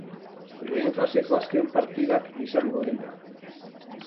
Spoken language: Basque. Lehen faseko azken partidak izango dira.